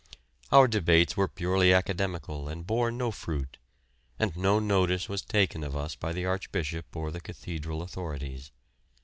Our debates were purely academical and bore no fruit, and no notice was taken of us by the Archbishop or the cathedral authorities.